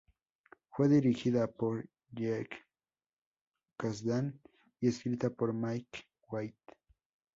Fue dirigida por Jake Kasdan y escrita por Mike White.